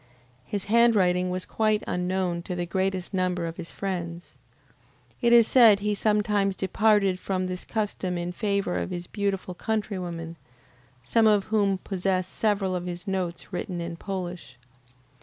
His handwriting was quite unknown to the greatest number of his friends. It is said he sometimes departed from this custom in favor of his beautiful countrywomen, some of whom possess several of his notes written in Polish.